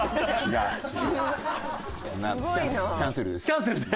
キャンセルで？